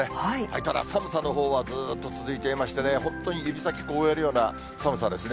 ただ、寒さのほうはずーっと続いていましてね、本当に指先凍えるような寒さですね。